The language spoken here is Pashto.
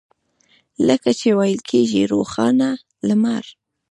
لکه چې ویل کېږي روښانه لمر.